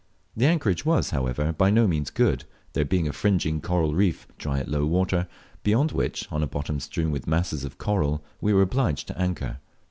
The anchorage was, however, by no means good, there being a fringing coral reef, dry at low water, beyond which, on a bottom strewn with masses of coral, we were obliged to anchor.